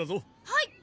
はい！